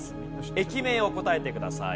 駅名を答えてください。